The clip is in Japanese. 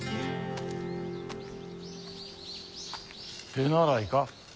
手習いか？